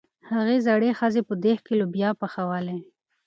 هغې زړې ښځې په دېګ کې لوبیا پخولې.